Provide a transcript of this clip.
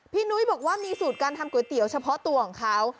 นุ้ยบอกว่ามีสูตรการทำก๋วยเตี๋ยวเฉพาะตัวของเขา